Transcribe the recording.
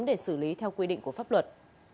để xử lý theo quy định của pháp luật